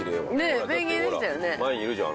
ほら前にいるじゃん